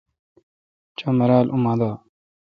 چو مرال اؙن ما دا۔